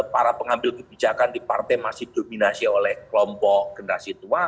para pengambil kebijakan di partai masih dominasi oleh kelompok generasi tua